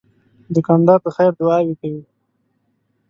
دوکاندار د خیر دعاوې کوي.